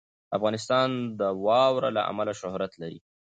افغانستان د واوره له امله شهرت لري.